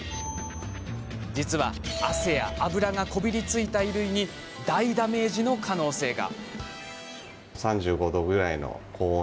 実は汗や脂がこびりついた衣類に大ダメージの可能性が。